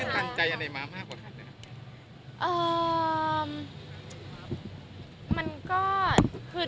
สังเกต์เก